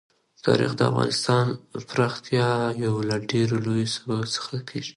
تاریخ د افغانستان د ښاري پراختیا یو له ډېرو لویو سببونو څخه کېږي.